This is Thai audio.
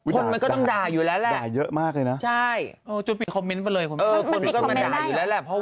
คนมันก็ต้องด่าอยู่แล้วแหละ